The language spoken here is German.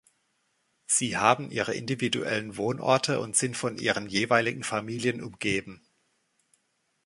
Sie haben ihre individuellen Wohnorte und sind von ihren jeweiligen Familien umgeben.